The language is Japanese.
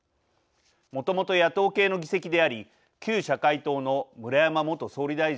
もともと野党系の議席であり旧社会党の村山元総理大臣の地元。